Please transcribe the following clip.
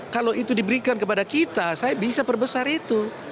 kalau itu diberikan kepada kita saya bisa perbesar itu